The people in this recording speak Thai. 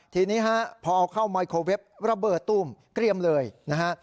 ทีนี้ฮะพอเอาเข้าไมโครเว็บระเบิดตุ้มเกรียมเลยนะฮะ